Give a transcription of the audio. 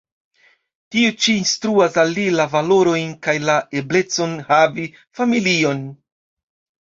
Tiu ĉi instruas al li la valorojn kaj la eblecon havi familion.